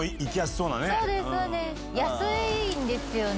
そうです安いんですよね。